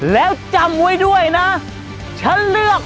แล้วจำไว้ด้วยนะฉันเลือก